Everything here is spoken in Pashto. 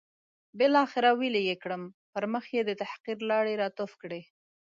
بالاخره ویلې یې کړم، پر مخ یې د تحقیر لاړې را توف کړې.